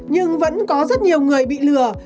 nhưng vẫn có rất nhiều người bị lừa